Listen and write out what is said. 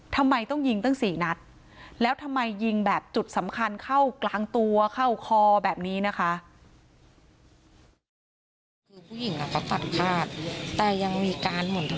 ทำไมต้องยิงตั้ง๔นัดแล้วทำไมยิงแบบจุดสำคัญเข้ากลางตัวเข้าคอแบบนี้นะคะ